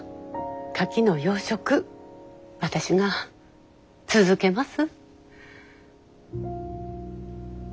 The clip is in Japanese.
カキの養殖私が続けます。